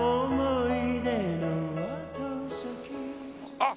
あっ！